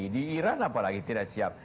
di iran apalagi tidak siap